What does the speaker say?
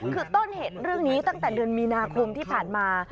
คือต้นเหตุเรื่องนี้ตั้งแต่เดือนมีนาคมที่ผ่านมา